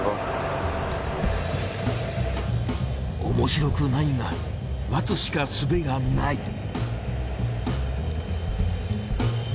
おもしろくないが待つしかすべがない。